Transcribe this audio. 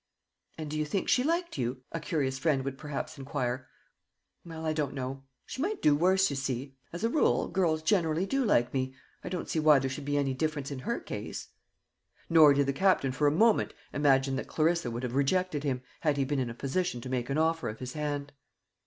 "And do you think she liked you?" a curious friend would perhaps inquire. "Well, I don't know. She might do worse, you see. As a rule, girls generally do like me. I don't see why there should be any difference in her case." Nor did the Captain for a moment imagine that Clarissa would have rejected him, had he been in a position to make an offer of his hand.